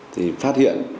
thì phát hiện